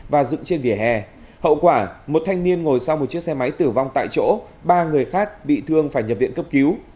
và dựng trên vỉa hè hậu quả một thanh niên ngồi sau một chiếc xe máy tử vong tại chỗ ba người khác bị thương phải nhập viện cấp cứu